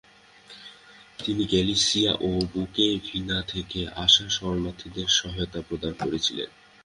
তিনি গ্যালিসিয়া ও বুকোভিনা থেকে আসা শরণার্থীদের সহায়তা প্রদান করেছিলেন।